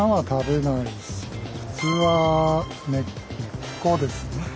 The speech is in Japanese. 普通は根っこです。